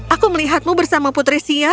aku melihatmu bersama putri sia